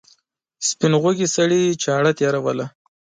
سپین غوږي سړي چاړه تېروله.